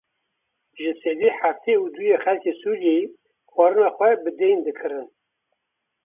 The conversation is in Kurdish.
Ji sedî heftê û duyê xelkê Sûriyeyê xwarina xwe bi deyn dikirin.